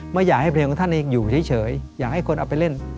ไม่อยากให้เพลงของท่านอยู่เฉยอยากให้คนเอาไปเล่น